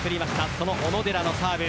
その小野寺のサーブ。